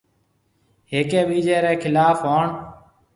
هيَڪيَ ٻِيجي ريَ خلاف هوئڻ۔